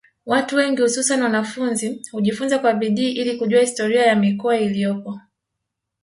Watu wengi hususani wanafunzi hujifunza kwa bidii ili kujua historia ya mikoa iliyopo